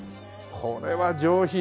これは上品だ。